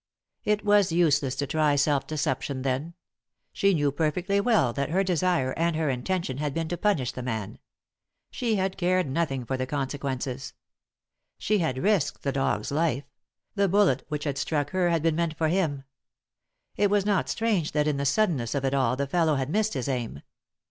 It was useless to try self deception, then ; she knew perfectly well that her desire, and her intention, had been to punish the man. She had cared nothing for the consequences. She had risked the dog's life ; the bullet which had struck her had been meant for him ; it was not strange that in the suddenness of it all the fellow had missed his aim.